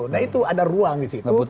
nah itu ada ruang di situ